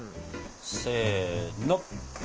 せの！